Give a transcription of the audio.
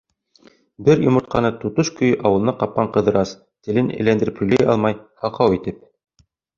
Бер йомортҡаны тотош көйө ауыҙына ҡапҡан Ҡыҙырас, телен әйләндереп һөйләй алмай, һаҡау итеп: